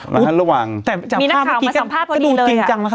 มีหน้าข่าวมาสัมภาพเท่านี้เลยค่ะ